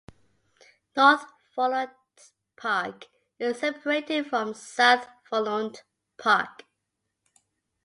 North Volonte Park is separated from South Volonte Park.